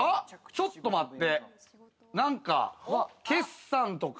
ちょっと待って。